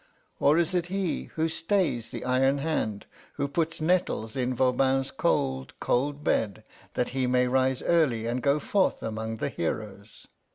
Or is it he who stays the iron hand, who puts nettles in Voban's cold, cold bed, that he may rise early and go forth among the heroes?"